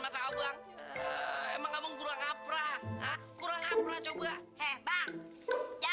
abang apaan cuma dapat sayuran busuk ngerti gak bang